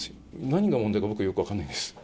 何が問題か、僕、よく分かんないです。